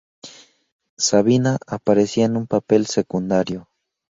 Sabina aparecía en un papel secundario.